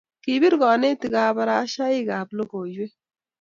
kipir kanetik kabarashaik ab lokoiywek